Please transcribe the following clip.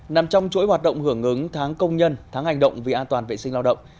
nằm trong chuỗi hoạt động hưởng ứng tháng công nhân tháng hành động vì an toàn vệ sinh lao động